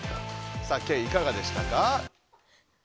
さあケイいかがでしたか？